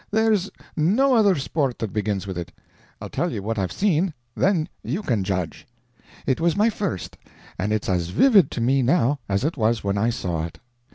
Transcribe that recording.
There's no other sport that begins with it. I'll tell you what I've seen, then you can judge. It was my first, and it's as vivid to me now as it was when I saw it.